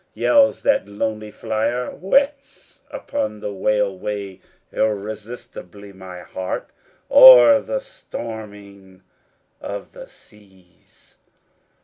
Yells that lonely flier; Whets upon the Whale way irresistibly my heart, O'er the storming of the seas!